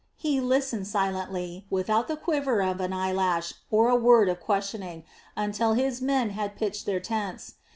He listened silently, without the quiver of an eye lash, or a word of questioning, until his men had pitched their tents.